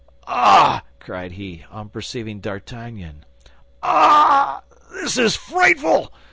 "Ah!" cried he, on perceiving D'Artagnan, "ah! this is frightful!